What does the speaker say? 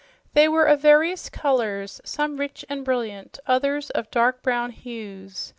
They were of various colors, some rich and brilliant, others of dark brown hues.